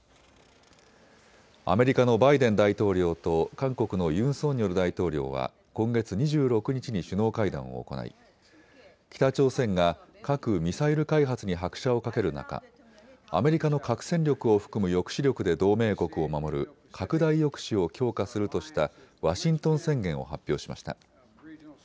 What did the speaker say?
アメリカのバイデン大統領と韓国のユン・ソンニョル大統領は今月２６日に首脳会談を行い北朝鮮が核・ミサイル開発に拍車をかける中、アメリカの核戦力を含む抑止力で同盟国を守る拡大抑止を強化するとしたワシントン宣言を発表しました。